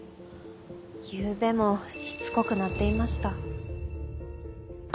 夕べもしつこく鳴っていました。